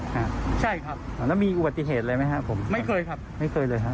ครับใช่ครับตอนนั้นมีอุบัติเหตุอะไรไหมครับผมไม่เคยครับไม่เคยเลยครับ